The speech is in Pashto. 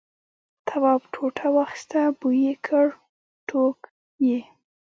تواب ټوټه واخیسته بوی یې کړ توک یې.